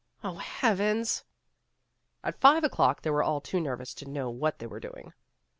Oh, heavens!" At five o'clock they were all too nervous to know what they were doing.